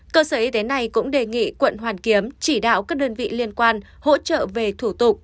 cơ sở y tế này cũng đề nghị quận hoàn kiếm chỉ đạo các đơn vị liên quan hỗ trợ về thủ tục